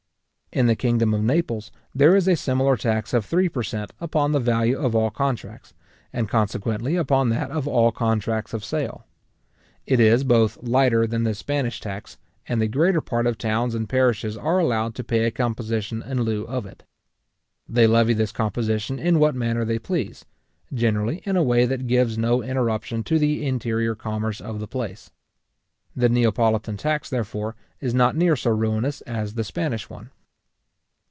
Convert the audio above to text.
In the kingdom of Naples, there is a similar tax of three per cent. upon the value of all contracts, and consequently upon that of all contracts of sale. It is both lighter than the Spanish tax, and the greater part of towns and parishes are allowed to pay a composition in lieu of it. They levy this composition in what manner they please, generally in a way that gives no interruption to the interior commerce of the place. The Neapolitan tax, therefore, is not near so ruinous as the Spanish one.